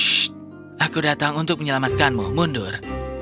sh aku datang untuk menyelamatkanmu mundur